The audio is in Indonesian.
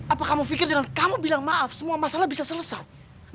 apa kamu pikir dengan kamu bilang maaf semua masalah bisa selesai